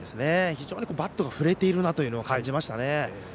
非常にバットが振れているなと感じましたね。